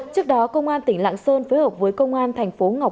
trước đó công an tỉnh lạng sơn phối hợp với công an thành phố ngọc